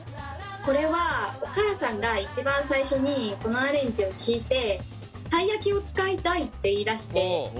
これはお母さんが一番最初にこのアレンジを聞いてたい焼きを使いたいって言いだして。